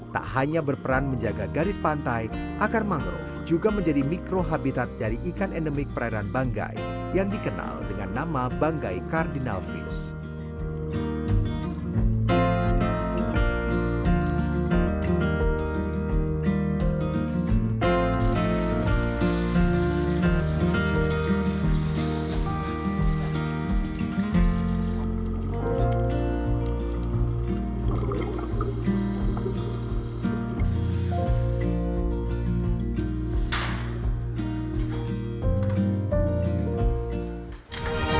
tak hanya berperan menjaga garis pantai akar mangrove juga menjadi mikrohabitat dari ikan endemik perairan banggai yang dikenal dengan nama banggai cardinal fish